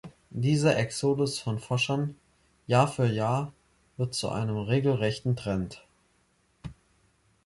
Dieser Exodus von Forschern, Jahr für Jahr, wird zu einem regelrechten Trend.